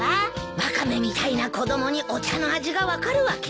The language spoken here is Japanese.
ワカメみたいな子供にお茶の味が分かるわけないだろう。